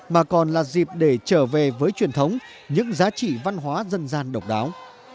mà còn là dịp để trở về với truyền thống những giá trị văn hóa dân gian độc đáo